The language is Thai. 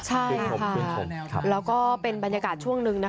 ใช่ค่ะแล้วก็เป็นบรรยากาศช่วงหนึ่งนะคะ